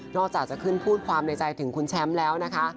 นอกจากจะขึ้นพูดความในใจถึงคุณแชมสุภวัฒน์แล้วนะคะ